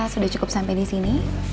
sudah cukup sampai di sini